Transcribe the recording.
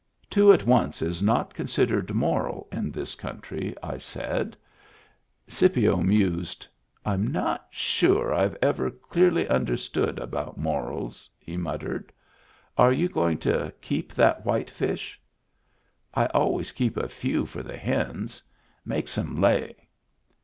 " Two at once is not considered moral in this country," I said. u Digitized by Google 290 MEMBERS OF THE FAMILY Scipio mused. " I'm not sure I've ever clearly understood about morals," he muttered. "Are you going to keep that whitefish ?"" I always keep a few for the hens. Makes 'em lay."